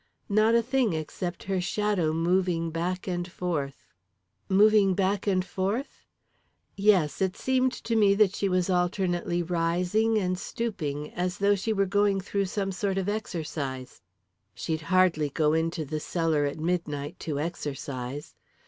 "Not a thing except her shadow moving back and forth." "Moving back and forth?" "Yes; it seemed to me that she was alternately rising and stooping, as though she were going through some sort of exercise." "She'd hardly go into the cellar at midnight to exercise."